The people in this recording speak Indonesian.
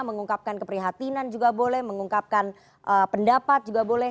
mengungkapkan keprihatinan juga boleh mengungkapkan pendapat juga boleh